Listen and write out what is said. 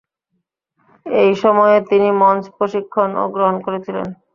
এই সময়ে তিনি মঞ্চ প্রশিক্ষণও গ্রহণ করেছিলেন।